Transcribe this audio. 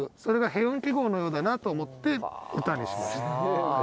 それがヘ音記号のようだなと思って歌にしました。